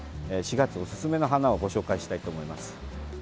４月おすすめの花をご紹介したいと思います。